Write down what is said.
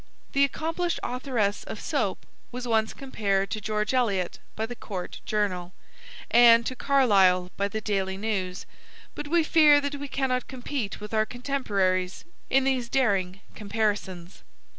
The accomplished authoress of Soap was once compared to George Eliot by the Court Journal, and to Carlyle by the Daily News, but we fear that we cannot compete with our contemporaries in these daring comparisons.